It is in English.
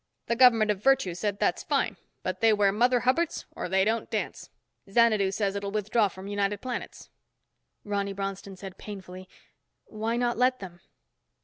The government of Virtue said that's fine but they wear Mother Hubbards or they don't dance. Xanadu says it'll withdraw from United Planets." Ronny Bronston said painfully, "Why not let them?"